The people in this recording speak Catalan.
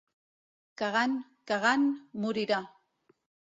Cagant, cagant, morirà.